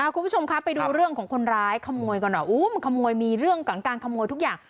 คุณผู้ชมครับไปดูเรื่องของคนร้ายขโมยก่อนหน่อยมันขโมยมีเรื่องของการขโมยทุกอย่าง